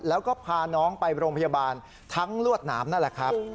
แล้วก็พาน้องไปโรงพยาบาลทั้งลวดหนามนั่นแหละครับ